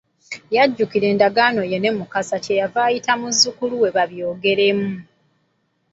Yajjukira endagaano ye ne Mukasa kye yava ayita muzzukulu we babyogeremu.